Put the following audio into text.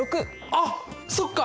あっそっか！